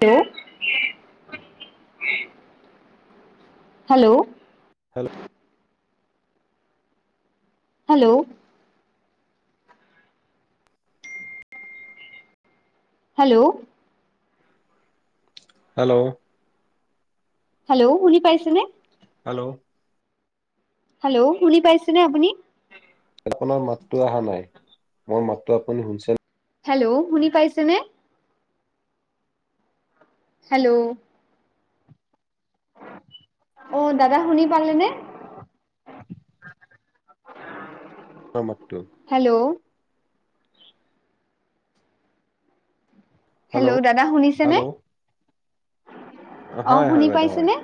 Hello. Hello. Hello. Hello. Hello. Hello. Hello শুনি পাইছেনে? Hello. Hello শুনি পাইছেনে আপুনি? আপোনাৰ মাতটো অহা নাই। মই মাতটো আপুনি শুনিছে? হেল্ল' শুনি পাইছেনে? হেল্ল'। অ দাদা শুনি পালালেনে? অ মতটো হেল্ল' দাদা শুনিছেনে? হেল্ল' অ, হয় হয় শুনি বাইদেউ হয় পাইছেনে?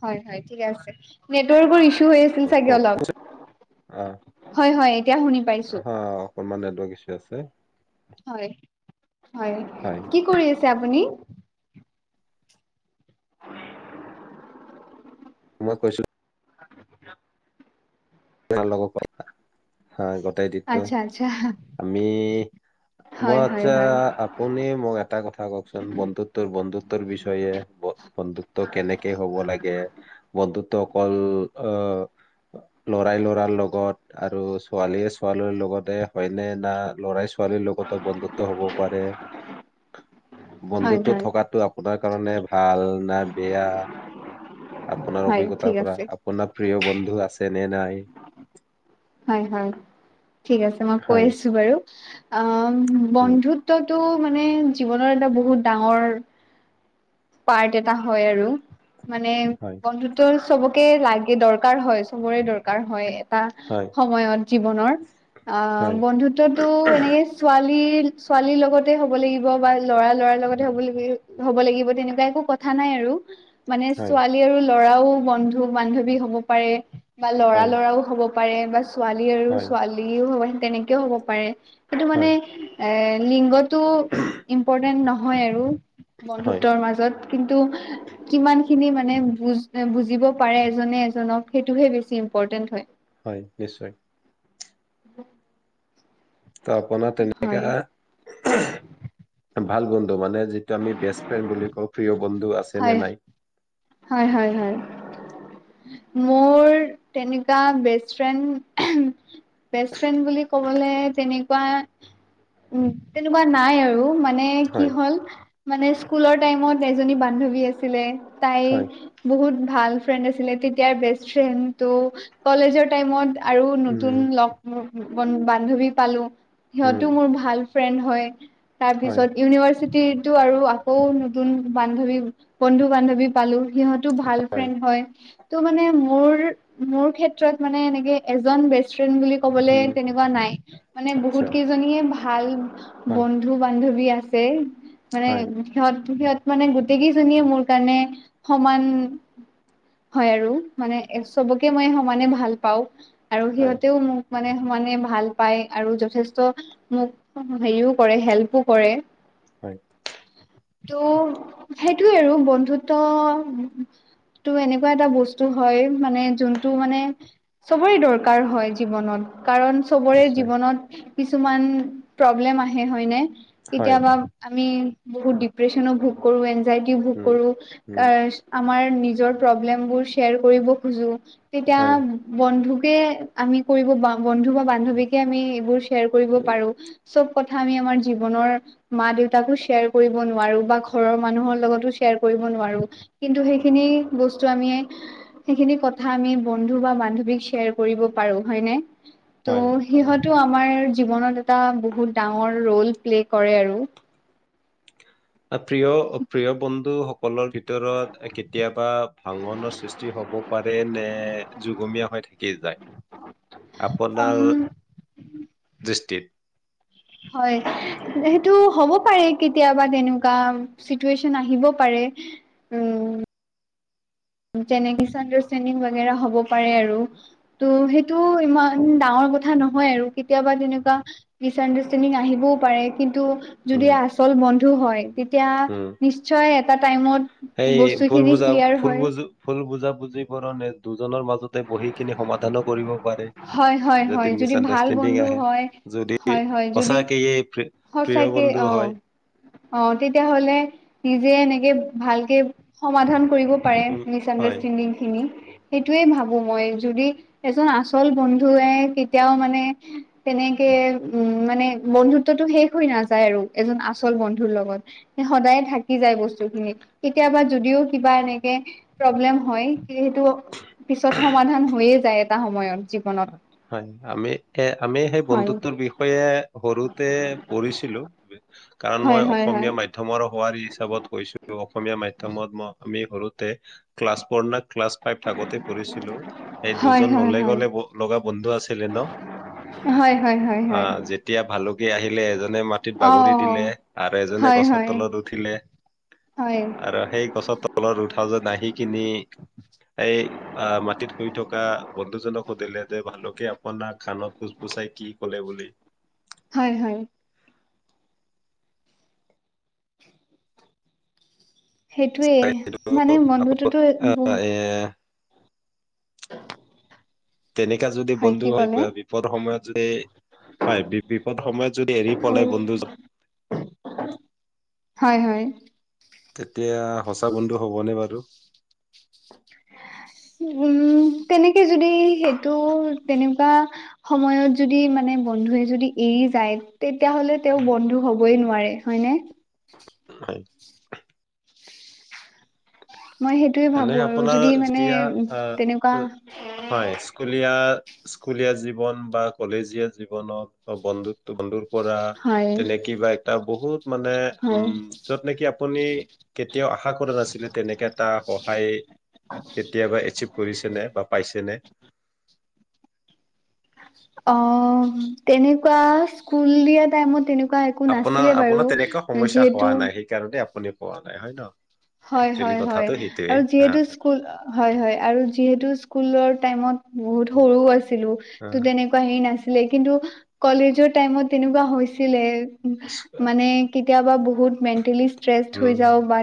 হয়। হয়। ঠিক আছে নেটৱৰ্ক ৰ ইছো আছিল চাগে কওক অলপ। আহ হয়, হয় এতিয়া শুনি পাইছো। হা অকনমান নেটৱৰ্ক ইছু আছে। হয়। হয়। কি কৰি আছে আপুনি? মই কৈছো [inaudible] লগ [unintelligible] হয় গোটেই দিনটো। আচ্ছা আচ্ছা আমি মই হয় হয় আচ্ছা হয়। আপুনি মোক এটা কথা কওকচোন বন্ধুত্বৰ বন্ধুত্বৰ বিষয়ে বন্ধুত্ব কেনেকে হব লাগে। বন্ধুত্ব ত' অকল, অ' ল'ৰাই লৰাৰ লগত আৰু ছোৱালীয়ে ছোৱালীৰ লগতে হয়নে না ল'ৰাই ছোৱালীৰ লগতো বন্ধুত্ব হ'ব পাৰে হয় বন্ধুত্ব হয় থকটো আপোনাৰ কাৰণে ভাল না বেয়া আপোনাৰ হয় ঠিক অভিজ্ঞতাৰ পৰা, আছে আপোনাৰ প্ৰিয় বন্ধু আছে নে নাই? হয় হয়, ঠিক আছে, মই কৈ হয় আছো বাৰু। অ', উম উম বন্ধুত্বত টো মানে জীৱনৰ এটা বহুত ডাঙৰ, পাৰ্ট এটা হয় আৰু। মানে, হয় বন্ধুত্ব চবক কে লাগে, দৰকাৰ হয়, চবৰে দৰকাৰ হয়। তা হয় সময়ত জীৱনৰ অ', হয় বন্ধুত্বতো এনেকে ছোৱালী লীৰ ছোৱালীৰ লগতে হ'ব লাগিব বা ল'ৰা লৰাৰ লগতে হ'ব-ল-হ'ব লাগিব তেনেকুৱা একো কথা নাই আৰু। মানে হয় ছোৱালী আৰু ল'ৰাও বন্ধু বান্ধৱী হ'ব পাৰে। বা ল'ৰা হয় ল'ৰাও হ'ব পাৰে বা ছোৱালী আৰু হয় ছোৱালীও হয়। তেনেকেও হ'ব পাৰে। সেইটো মানে, হয় এ, লিংগটো ইম্পৰ্টেণ্ট নহয়। হয় আৰু। হয় বন্ধুত্বৰ মাজত। কিন্তু, কিমান খিনি মানে বুজ-বুজিব পাৰে এজনে এজনক, সেইটোহে বেছি ইম্পৰ্টেণ্ট হয়। হয়, নিশ্চয়। [inaudible] ত', আপোনাৰ হয় তেনেকা ভাল বন্ধু, মানে যিটো আমি বেষ্ট ফ্ৰেণ্ড বুলি কওঁ, প্ৰিয় বন্ধু আছে হয় নে নাই? হয় হয় হয়, মোৰ তেনেকুৱা বেষ্ট ফ্ৰেণ্ড বেষ্ট ফ্ৰেণ্ড বুলি ক'ব মানে তেনেকুৱা উম তেনেকুৱা নাই আৰু ম মানে কি হয়, হ'ল? মানে স্কুলৰ টাইমত এজনী বান্ধৱী আছিলে। তাই হয়, বহুত ভাল ফ্ৰেণ্ড আছিলে, তেতিয়াৰ বেষ্ট ফ্ৰেণ্ড ত' কলেজৰ টাইমত আৰু নতুন উম, লগোৰ বান্ধৱী পালো। উম, সিহঁতও মোৰ ভাল ফ্ৰেণ্ড হয়। তাৰ হয়, পিছত ইউনিভাৰ্চিটি তটো আৰু আকৌ নতুন বান্ধৱী বন্ধু বান্ধৱী পালোঁ। সিহঁতো ভাল ফ্ৰেণ্ড হয়। ত মানে মোৰ মোৰ ক্ষেত্ৰত মানে এনেকে এজন বেছ ফ্ৰেণ্ড বুলি ক'বলে উম, তেনেকুৱা নাই মানে আচ্ছা, বহুত কেইজনীয়ে ভাল ভাল হয়, বন্ধু বান্ধৱী আ আছে। মানে হয়, সিহত সিহঁত মানে গোটেই কিইজনিয়ে মোৰ কাৰণে সমান হয় আৰু মানে চবকে মই সমানে ভাল পাওঁ। আৰু হয়, সিহঁতেও মোক মানে সমানে ভাল পায় আৰু যথেষ্ট মোক হেৰিও কৰে হেল্পও কৰে। হয়, ত' সেইটোয়ে আৰু বন্ধুত্ব ত টো এনেকুৱা এটা বস্তু হয় মানে যোনটো মানে চবৰে দৰকাৰ হয় জীৱনত। কাৰণ চবৰে নিশ্চয়, জীৱনত কিছুমান প্ৰব্লেম আহে হয়নে? হয়, কেতিয়াবা আমি বহুত ডিপ্ৰেচনো ভোগ কৰোন যাই দিও বুক উম, কৰোঁ। উম, কাচ আামাৰ নিজৰ প্ৰব্লেম বোৰ শ্বেয়াৰ কৰিব খোজোঁ। তেতিয়া হয়, বন্ধুক আমি কৰিব বাম। বন্ধু বা বান্ধৱীকে আমি এইবোৰ শ্বেয়াৰ কৰিব উম, পাৰো চব আমি আমাৰ জীৱনৰ মা দেউতাকো শ্বেয়াৰ কৰিব নোৱাৰো বা ঘৰৰ মানুহৰ লগতো শ্বেয়াৰ কৰিব কিন্তু সেইখিনি বস্তু আমি সেইখিনি কথা আমি বন্ধু বা বান্ধীক শ্বেয়াৰ কৰিব পাৰো হয়নে। ত হয়, আৰু সিহঁতো আমাৰ। জীৱনত এটা বহুত ডাঙৰ ৰল প্লে কৰে আৰু। প্ৰিয় প্ৰিয় বন্ধু। ককলৰ ভিতৰত কেতিয়াবা ভাঙনৰ সৃষ্টি হ'ব পাৰে নে যুগমীয়া হৈ থাকি যায় আপোনাৰ উম দৃষ্টিত। হয় সেইটো হ'ব পাৰে কেতিয়াবা তেনেকুৱা চিটুৱে্যন আহিব পাৰে উম। যেনে মিছ আণ্ডাৰষ্টেণ্ডিং বাগে হ'ব পাৰে আৰু ত' সেইটো ইমান ডাঙৰ কথা নহয় আৰু কেতিয়াবা তেনেকুৱা মিছ আণ্ডাৰষ্টেণ্ডিং আহিবও পাৰে কিন্তু যদি উম, আচল বন্ধু হয়। এতিয়া নিশ্চয় এটা টাইমত এইেই বস্তুখিনি ফুলবূজা ক্লিয়াৰ হয়। ফুলবোজ ফুল বুজাবুজি কৰ নে দুজনৰ মাজতে বহিকিনে সমাধান ও কৰিব পাৰে হয় হয় যদি হয় ভাল মিচআনণ্ডাৰষ্ঠেনিং বন্ধু আহে হয় যদি হয় হয় যদি সঁচাকে প্ৰিয় সঁচাকে বন্ধু অ হয়। অ তেতিয়াহলে নিজে এনেকে ভালকে সমাধান কৰিব পাৰে উম, মিছ হয় আণ্ডাৰষ্টেণ্ডিংখিনি। সেইটোয়ে ভাবো। ভ মই যদি এজন আচল বন্ধুৱে কেতিয়াও মানে তেনেকে উ মানে বন্ধুত্বটো শেষ হৈ নাযায় আৰু এজন আচল বন্ধুৰ লগত সদায়ে থাকি যায় বস্তু খিনি কেতিয়াবা যদিও কিবা এনেকে প্ৰব্লেম হয় সেইটো পিছত সমাধান হৈয়ে যায় এটা সময়ত জীৱনত। হয় আমি এ আমি সেই হয় বন্ধুত্বৰ বিষয়ে সৰুতে পঢ়িছিলো কাৰণ মই হয় হয় হয় অসমীয়া মাধ্যমৰ। বোৱাৰী হিচাপত কৈছো অসমীয়া মাধ্যমত মই আমি কৰোতে ক্লাছ প়না ক্লা ফাইভ থাকোতে পঢিছিলো এই হয় দুজন হয় নলে হয় হয় গ'লে লগা বন্ধু আছিলে ন হয় হয় হয় আ হয়। যেতিয়া ভাল আহিলে এজন মাটিত বাগৰি অ দিলে আৰু এজনে হয় গছৰ হয় তলত উঠিলে হয় আৰু সেই গছৰ তলত উঠা যেন আহি কিনি এই আ মাটিত শুই থকা বন্ধুজনক সুধিলে। যে ভালুকে আপোনাৰ কাণত ফোচ ফুছাই কি কলে বুলি হয়, হয়। সেইটোৱেই সেইটো মানে আকৌ মন্ধটোতো বহু আহ, এ তেনেককা যদি বন্ধু কি হয় ক'লে বিপদ সময়ত যদি হয় বি বিপদ সময়ত যদি এৰি পলাই বন্ধুজন হয় হয় তেতিয়া সঁচা বন্ধু হবনে বাৰু? উম, তেনেকে যদি সেইটো তেনেকুৱা সময়ত যদি মানে বন্ধুৱে যদি এৰি যায় তেতিয়াহ'লে তেওঁ বন্ধু হ'ব হবই নোৱাৰে হয় নে? হয়। মই সেইটোয়ে এনে ভাবো আৰু আপোনাৰ যদি মানে যেতিয়া আহ, তেনেকুৱা আহ, হয় স্কুলীয়া স্কুলীয়া জীৱন বা কলেজীয়া জীৱনত বন্ধুত্ব বন্ধু কৰা হয় তেনে কিবা এটা বহুত মানে হয় উম যত নেকি আপুনি কেতিয়াও আশা কৰা নাছিলে তেনেকে এটা স কেতিয়াবা এচিভ কৰিছে নে বা পাই চেনে অ', তেনেকুৱা স্কুল দিয়া টাইমত তেনে আপোনাৰ, আপোনাৰ তেনেকুৱা সমস্যা হোৱা যিহেতু নাই সেইকাৰণে আপুনি পোৱা নাই হয় ন? হয়, একচুৱেলি হয়, হয় কথাটো সেইটোৱে আৰু হা, যিহেতু স্কুল‌ হয়, হয়, আৰু যিহেতু স্কুল‌ৰ টাইমত বহুত সৰু আছিলো হা, তো, তেনেকোৱা হেৰি লে, কিন্তু কলেজৰ টাইমত তেনেকুৱা হৈছিলে। হা, মানে কি তিয়াবা ব বহুত মেটেলি ষ্ট্ৰেছ হৈ উম, যাওঁ বা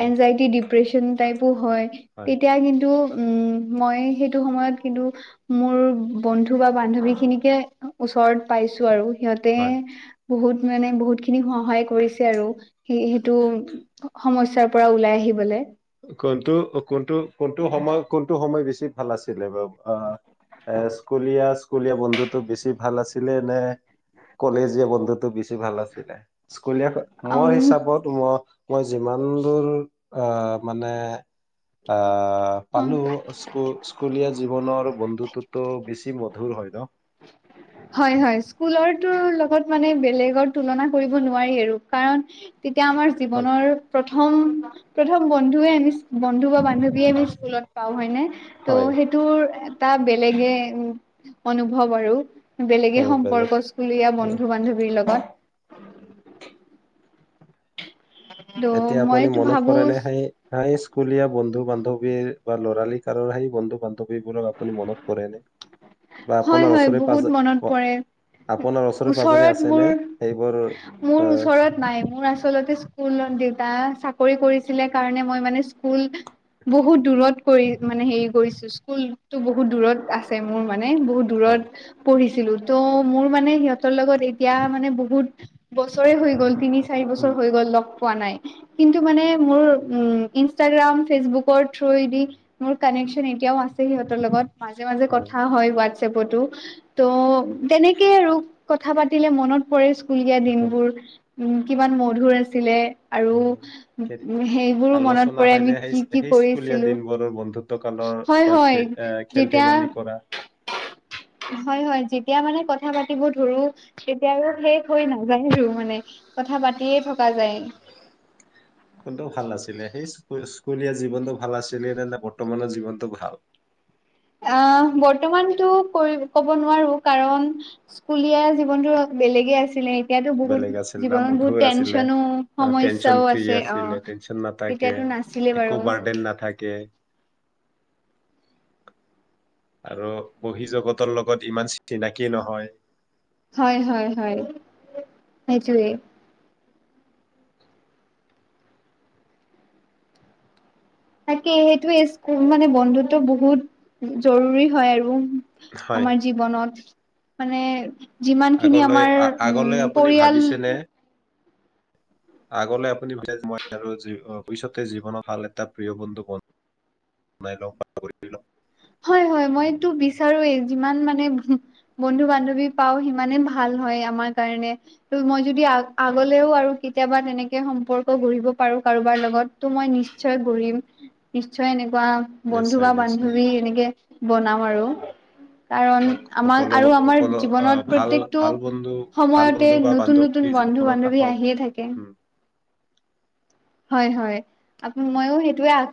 হয় এনজাইটি ডিপ্ৰেচন টাইপো হয়, হয় তেতিয়া কিন্তু উম, মই সেইটো সময়ত কিন্তু মোৰ বন্ধু বা বান্ধৱী খিনিকে ওচৰত পাইছোঁ আৰু। সিহঁতে হয় বহুত মানে বহুতখিনি সহায় কৰিছে আৰু সেইটো সমচ সাৰ পৰা ওলাই আহিবলে। কোনটো, কোনটো, কোনটো সময়? কোনটো সময় বেছি ভাল আছিলে বাৰু? আ, এ, স্কুলীয়া, স্কুলীয়া বন্ধুতো বেছি ভাল আছিলে নে? কলেজীয়া বন্ধুতো বেছ ব ভাল আছিলে, স্কুলীয়া উম মোৰ হিচাপত মই, মই যিমান দূৰ অ' মানে আ আ, অ পালোঁ স্কু-স্কুলীয়া জীৱনৰ বন্ধুটো টো বেছি মধুৰ হয় ন? হয়, হয়। স্কুলৰটো লগত মানে বেলেগৰ তুলনা কৰিব নোৱাৰি আৰু কাৰণ তেতিয়া আমাৰ হয় জীৱনৰ প্ৰথম, প্ৰথম বন্ধুৱে আমি বন্ধু বা বান্ধৱীয়ে আমি স্কুলত পাওঁ হয়নে। ত' হয় সেইটোৰ এটা বেলেগে উম অনুভৱ আৰু। বেলেগে হয় বেলেগ সম্পৰ্কস্থুলীয়া উম। বন্ধু-বান্ধৱীৰ লগত। এতিয়া ত' আপুনি মইতো মনত ভাবো পৰে নে হাই-হাই স্কুলীয়া বন্ধু বান্ধৱীৰ বা ল'ৰালি কালৰ সেই বন্ধু বান্ধৱীবোৰক আপুনি মনত পৰেনে? হয়-হয় বহুত মনত অ পৰে আপোনাৰ ওচৰে পাজৰে ওচৰত আছেনে মোৰ সেইবোৰ মোৰ আহ ওচৰত নাই মোৰ আচলতে স্কুলত দেউতা চাকৰি কৰিছিলে কাৰণ মই মানে স্কুল বহুত দূৰত কৰি মানে হে কৰিছো স্কুলতো বহুত দূৰত আছে। মোৰ মানে বহুত দূৰত হয়। পঢ়িছিলো। ত' মোৰ মানে সিহঁত ৰ লগত এতিয়া মানে বহুত বছৰে হৈ গ'ল তিনি চাৰি বছৰ উম হৈ গ'ল লগ পোৱা নাই কিন্তু মানে মোৰ উ ইষ্টাগ্ৰাম ফেচবুকৰ থ্ৰুদি মোৰ কানেকশ্যন এতিয়াও আছে। সিহঁতৰ লগত, মাজে-মাজে হয় কথা হোৱাটচ এপটো ত' তেনেকেই আৰু কথা পাতিলে মনত পৰে স্কুলিয়া দিনবোৰ। উম কিমান মধুৰ আছিলে। আৰু অ, কে- সেইবোৰো মনত আলোচনা পৰে হয়নে আমি সেই কি-কি সেই স্কুলীয়া কৰিছিলো। দিনবোৰৰ বন্ধুত্ব কালৰ হয় বা খ হয় খেল ধেমালি কৰা। হয়-হয় যেতিয়া মানে কথা পাতিব ধৰো তেতিয়াও শেষ হৈ নাযায়ো মানে কথা পাতিয়ে থকা যায়। কোনটো ভাল আাছিলে সেই স্কুলীয়া জীৱনতটো ভাল আছিলে নে-নে বৰ্তমানৰ জীৱনতটো ভাল। অ বৰ্তমানতো কৰি ক'ব নোৱাৰো কাৰণ স্কুলীয়া জীৱনতো বেলেগে আছিলে। এতিয়াতো বহুত বেলেগ আছিল না জীৱনত বহুত মধুৰ আছিলে টেনচনো টেনচন সমস্যাও ফ্ৰী আছে অ আছিলে টেনচন নাথাকে তেতিয়াতো নাছিলে বাৰু একো বাৰ্ডেন নাথাকে। আৰু বহি জগতৰ লগত ইমান চিনাকি নহয়। হয়-হয়-হয় সেইটোৱে। তাকেই সেইটোৱে স্ মানে বন্ধুত্ব বহুত জৰুৰী হয় আৰু। হয় আমাৰ জীৱনত, মানে যিমানখিনি আগলৈ আমাৰ আ- উম আপুনি পৰিয়াল ভাবিছেনে আগলৈ আপুনি ভ মই আৰু ভৱিষ্যতে জীৱনত ভাল এটা প্ৰিয় বন্ধু ব বনাই লওঁ বা লওঁ। হয় হয় মইটো বিচাৰোৱেই যিমান মানে বন্ধু বান্ধৱী পাও সিমানে ভাল হয় আমাৰ কাৰণে ত' মই যদি আ আগলেও আৰু কেতিয়াবা তেনেকে সম্পৰ্ক গঢ়িব পাৰো কাৰোবাৰ লগত ত' মই নিশ্চয় গঢ়িম নিশ্চয় এনে বন্ধু নিশ্চয় বা নিশ্চয় বান্ধৱী এনেকে বনাম আৰু কাৰণ সক- আমাৰ সকলো আৰু আমাৰ সকলো আহ জীৱনত ভাল প্ৰত্যেকটো ভাল বন্ধু ভাল সময়তে বন্ধু বা নতুন বান্ধৱী নতুন বন্ধু জীৱনত বান্ধৱী আহক আহিয়ে থাকে হয় হয় আপো মইয়ো সেইটোয়ে আশা